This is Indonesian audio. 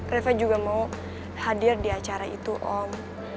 reva juga mau hadir di acara itu om